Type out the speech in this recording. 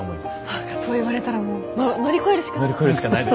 何かそう言われたらもう乗り越えるしかないですね。